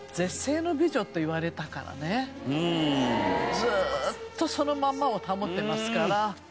ずーっとそのまんまを保ってますから。